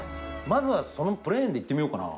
まずはそのままプレーンでいってみようかな。